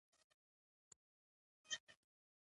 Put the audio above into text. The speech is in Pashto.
• وزیر اعظم یې له دندې وپرځاوه.